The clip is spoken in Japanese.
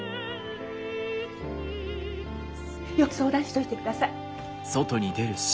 よく相談しといてください。